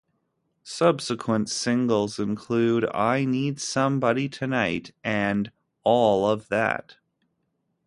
Subsequent singles include "I Need Somebody Tonight" and "All of That".